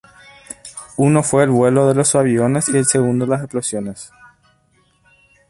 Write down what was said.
Uno fue el vuelo de los aviones y el segundo las explosiones.